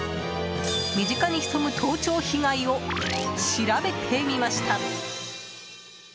身近に潜む盗聴被害を調べてみました。